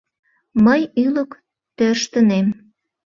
— Мый ӱлык тӧрштынем.